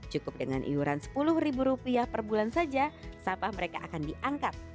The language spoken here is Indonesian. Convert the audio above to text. cukup dengan iuran sepuluh ribu rupiah per bulan saja sampah mereka akan diangkat